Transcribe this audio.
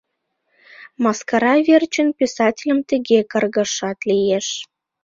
Мыскара верчын писательым тыге каргашат лиеш!